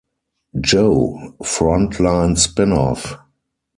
Joe: Frontline spin-off.